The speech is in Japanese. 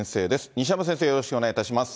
西山先生、よろしくお願いいたします。